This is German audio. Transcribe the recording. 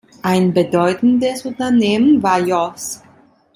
Ein bedeutendes Unternehmen war Jos.